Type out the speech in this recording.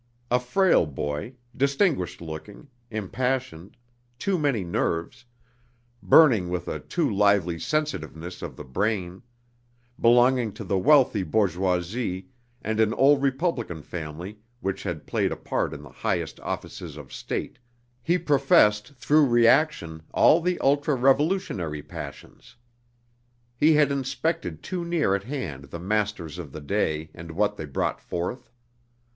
A frail boy, distinguished looking, impassioned, too many nerves, burning with a too lively sensitiveness of the brain, belonging to the wealthy bourgeoisie and an old republican family which had played a part in the highest offices of State, he professed, through reaction, all the ultra revolutionary passions. He had inspected too near at hand the masters of the day and what they brought forth.